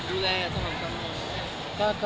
ดูแลสมัครก็